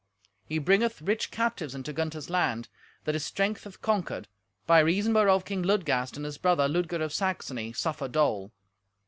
He bringeth rich captives into Gunther's land, that his strength hath conquered, by reason whereof King Ludgast and his brother, Ludger of Saxony, suffer dole.